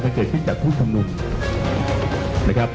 เกิดขึ้นจากผู้ชุมนุมนะครับ